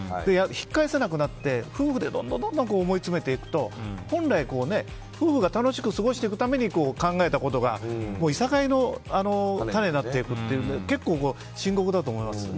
引き返せなくなって夫婦でどんどん思いつめていくと本来、夫婦が楽しく過ごしていくために考えたことがいさかいの種だということで結構、深刻だと思います。